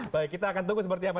baik kita akan tunggu seperti apa